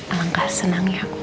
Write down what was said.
alangkah senang ya aku